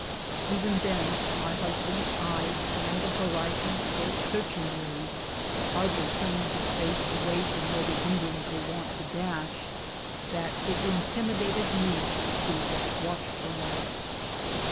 Even then my husband's eyes scanned the horizon so searchingly, hardly turning his face away from where the Indians were wont to dash, that it intimidated me to see such watchfulness.